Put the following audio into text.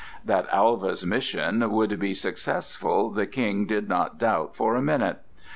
That Alva's mission would be successful, the King did not doubt for a minute.